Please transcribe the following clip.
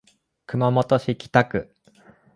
熊本市北区